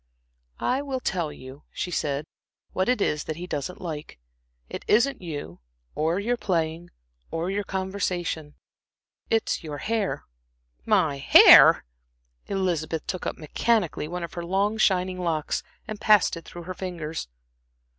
"I will tell you," she said, "what it is that he doesn't like. It isn't you, or your playing, or your conversation; it's your hair." "My hair!" Elizabeth took up mechanically one of her long shining locks and passed it through her fingers.